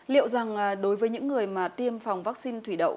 liệu rằng đối với những người mà tiêm phòng vaccine thủy đậu